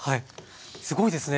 すごいですね。